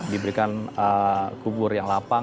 diberikan kubur yang lapang